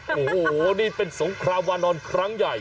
โอ้โหนี่เป็นสงครามวานอนครั้งใหญ่